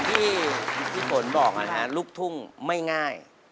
พี่ฝนบอกนะครับลูกทุ่งไม่ง่าย